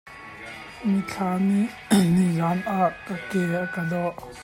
Mithla nih nizaan ah ka ke a ka dawh.